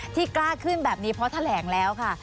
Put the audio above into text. กล้าขึ้นแบบนี้เพราะแถลงแล้วค่ะ